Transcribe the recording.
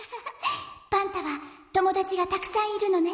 「パンタはともだちがたくさんいるのね。